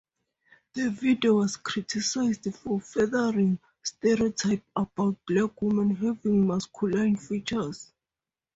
The video was criticized for "furthering stereotypes about black women having masculine features".